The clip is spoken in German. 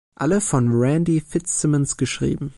Alle von Randy Fitzsimmons geschrieben.